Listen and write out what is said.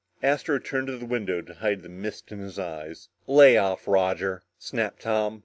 Astro turned to the window to hide the mist in his eyes. "Lay off, Roger," snapped Tom.